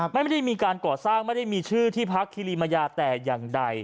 ไม่ได้มีการก่อสร้างไม่ได้มีชื่อที่พักคิริมยาแต่อย่างใด